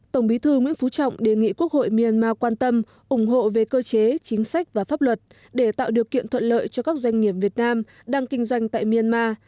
tổng bí thư nguyễn phú trọng đề nghị quốc hội myanmar quan tâm ủng hộ về cơ chế chính sách và pháp luật để tạo điều kiện thuận lợi cho các doanh nghiệp việt nam đang kinh doanh tại myanmar